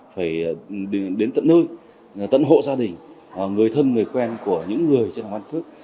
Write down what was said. phải đến tận nơi tận hộ gia đình người thân người quen của những người trên hồ sơ